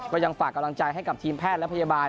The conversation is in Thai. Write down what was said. ยังฝากกำลังใจให้กับทีมแพทย์และพยาบาล